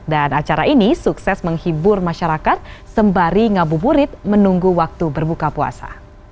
dan acara ini sukses menghibur masyarakat sembari ngabuburit menunggu waktu berbuka puasa